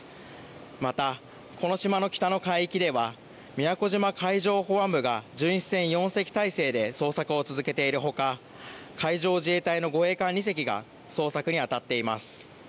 また、この島の北の海域では宮古島海上保安部が巡視船４隻態勢で捜索を続けているほか海上自衛隊の護衛艦２隻が捜索にあたっています。